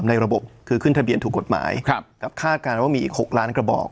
ระบบคือขึ้นทะเบียนถูกกฎหมายกับคาดการณ์ว่ามีอีก๖ล้านกระบอก